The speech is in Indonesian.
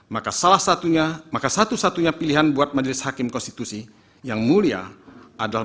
maka satu satunya pilihan buat majelis hakim konstitusi yang mulia adalah